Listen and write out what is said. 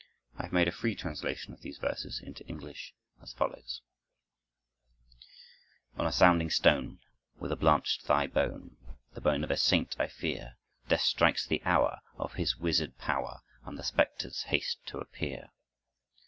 I have made a free translation of these verses into English, as follows: On a sounding stone, With a blanched thigh bone, The bone of a saint, I fear, Death strikes the hour Of his wizard power, And the specters haste to appear.